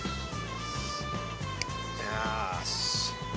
よし。